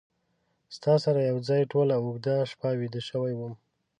ستا سره یو ځای ټوله اوږده شپه ویده شوی وم